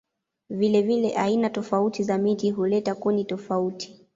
Vilevile aina tofauti za miti huleta kuni tofauti.